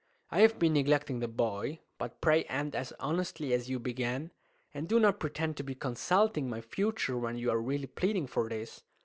I have been neglecting the boy. But pray end as honestly as you began, and do not pretend to be consulting my future when you are really pleading for his.